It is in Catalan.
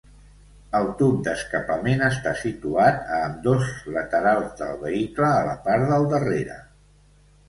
El tub d'escapament està situat a ambdós laterals del vehicle a la part del darrere.